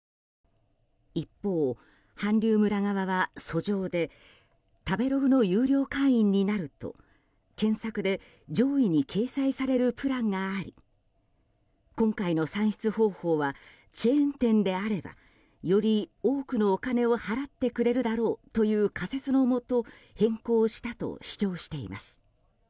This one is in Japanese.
一方、韓流村側は訴状で食べログの有料会員になると検索で上位に掲載されるプランがあり今回の算出方法はチェーン店であればより多くのお金を払ってくれるだろうという仮説のもと変更したと主張しています。